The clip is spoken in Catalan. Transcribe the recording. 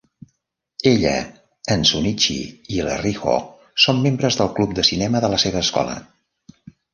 Ella, en Shunichi i la Riho són membres del club de cinema de la seva escola.